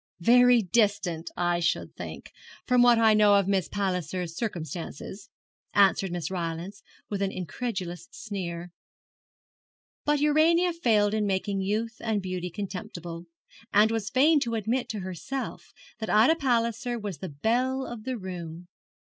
'Very distant, I should think, from what I know of Miss Palliser's circumstances;' answered Miss Rylance, with an incredulous sneer. But Urania failed in making youth and beauty contemptible, and was fain to admit to herself that Ida Palliser was the belle of the room.